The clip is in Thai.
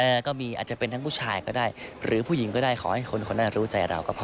ก็มีอาจจะเป็นทั้งผู้ชายก็ได้หรือผู้หญิงก็ได้ขอให้คนคนนั้นรู้ใจเราก็พอ